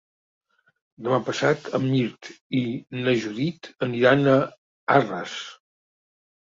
Demà passat en Mirt i na Judit aniran a Arres.